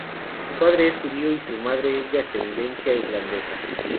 Su padre es judío y su madre es de ascendencia irlandesa.